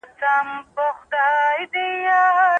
د بیرغ سپین رنګ د واورې له رنګ سره یو شان معلومېده.